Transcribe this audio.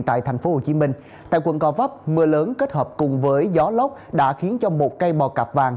tại tp hcm tại quận gò vấp mưa lớn kết hợp cùng với gió lốc đã khiến cho một cây mò cạp vàng